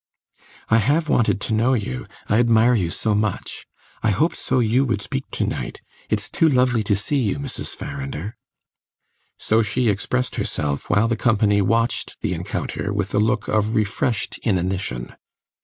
"I have wanted to know you; I admire you so much; I hoped so you would speak to night. It's too lovely to see you, Mrs. Farrinder." So she expressed herself, while the company watched the encounter with a look of refreshed inanition.